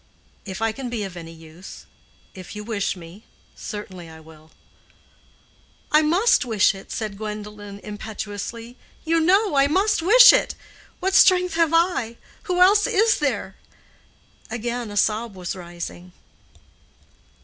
"If I can be of any use—if you wish me—certainly I will." "I must wish it," said Gwendolen, impetuously; "you know I must wish it. What strength have I? Who else is there?" Again a sob was rising.